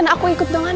aku mau hantar